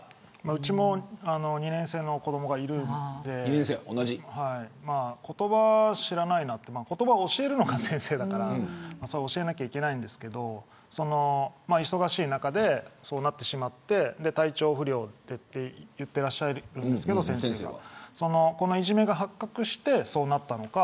うちも２年生の子どもがいるので言葉を知らないなんて言葉を教えるのが先生だから教えなきゃいけないんですけど忙しい中でそうなってしまって体調不良と言ってらっしゃるんですけど先生がこのいじめが発覚してそうなったのか